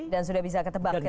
dan sudah bisa ketebak